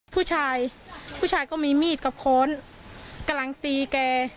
ผู้ชายผู้ชายก็มีมีดกับค้อนกำลังตีแก